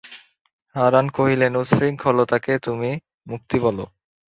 হারান কহিলেন, উচ্ছৃঙ্খলতাকে তুমি মুক্তি বল!